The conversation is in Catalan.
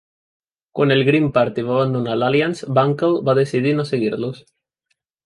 Quan el Green Party va abandonar l'Alliance, Bunkle va decidir no seguir-los.